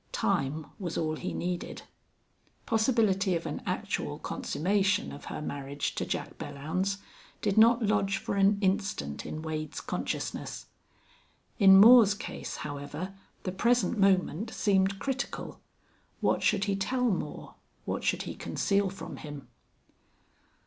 Time was all he needed. Possibility of an actual consummation of her marriage to Jack Belllounds did not lodge for an instant in Wade's consciousness. In Moore's case, however, the present moment seemed critical. What should he tell Moore what should he conceal from him?